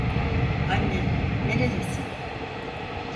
Anne, neredesin?